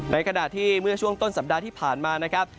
ในขณะที่เมื่อช่วงต้นสัปดาห์ที่ผ่านมานะครับ